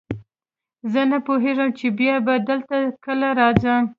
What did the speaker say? زه نه پوهېږم چې بیا به دلته کله راځم.